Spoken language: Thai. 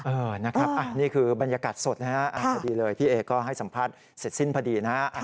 นะครับนี่คือบรรยากาศสดนะฮะพอดีเลยพี่เอก็ให้สัมภาษณ์เสร็จสิ้นพอดีนะฮะ